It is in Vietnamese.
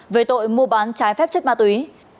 về tội mua bán trái phép chất ma túy